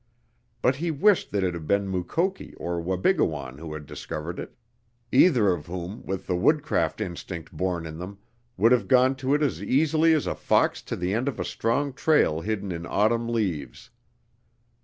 But he wished that it had been Mukoki or Wabigoon who had discovered it, either of whom, with the woodcraft instinct born in them, would have gone to it as easily as a fox to the end of a strong trail hidden in autumn leaves.